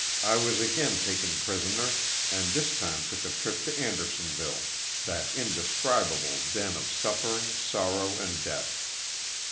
I was again taken prisoner and this time took a trip to Anderson ville, that indescribable den of suffering, sorrow and death.